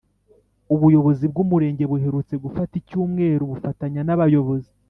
ubuyobozi bw’umurenge buherutse gufata icyumweru bufatanya n’abayobozi